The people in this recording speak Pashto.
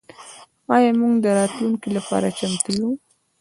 آیا موږ د راتلونکي لپاره چمتو یو؟